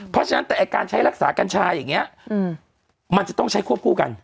เพราะฉะนั้นแต่การใช้รักษากัญชาอย่างนี้มันจะต้องใช้ควบคู่กัน